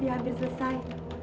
dia hampir selesai